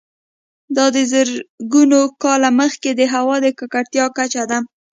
دا د زرګونه کاله مخکې د هوا د ککړتیا کچه ده